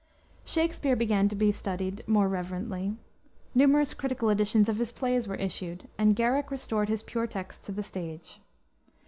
Shakspere began to to be studied more reverently: numerous critical editions of his plays were issued, and Garrick restored his pure text to the stage.